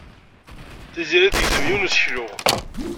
Tiziri tegzem yiwen n useklu.